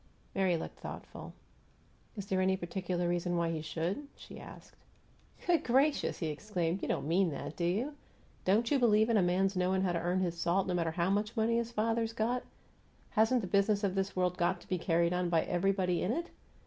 Mary looked thoughtful. "Is there any particular reason why he should?" she asked. "Good gracious!" he exclaimed. "You don't mean that, do you? Don't you believe in a man's knowing how to earn his salt, no matter how much money his father's got? Hasn't the business of this world got to be carried on by everybody in it?